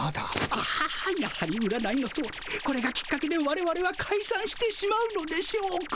ああやはり占いのとおりこれがきっかけでわれわれはかいさんしてしまうのでしょうか。